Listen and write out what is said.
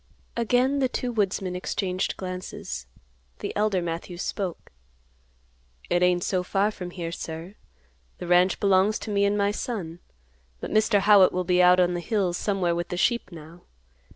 Again the two woodsmen exchanged glances. The elder Matthews spoke, "It ain't so far from here, sir. The ranch belongs to me and my son. But Mr. Howitt will be out on the hills somewhere with the sheep now.